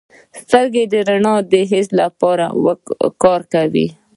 سترګې د رڼا د حس لپاره کار کوي.